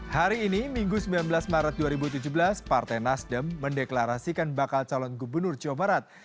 hari ini minggu sembilan belas maret dua ribu tujuh belas partai nasdem mendeklarasikan bakal calon gubernur jawa barat